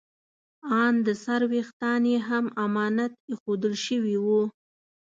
ان د سر ویښتان یې هم امانت ایښودل شوي وو.